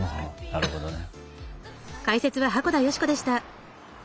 なるほどね。